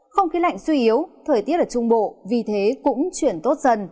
không khí lạnh suy yếu thời tiết ở trung bộ vì thế cũng chuyển tốt dần